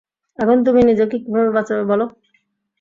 এখন তুমি নিজেকে কিভাবে বাঁচাবে, বলো?